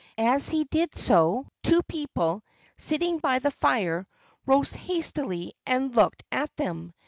As he did so, two people, sitting by the fire, rose hastily and looked at them.